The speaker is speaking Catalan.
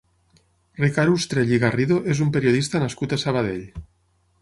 Ricard Ustrell i Garrido és un periodista nascut a Sabadell.